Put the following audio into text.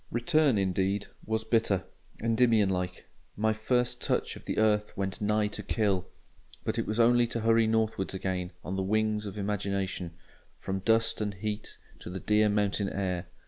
Return, indeed, was bitter; Endymion like, "my first touch of the earth went nigh to kill": but it was only to hurry northwards again on the wings of imagination, from dust and heat to the dear mountain air.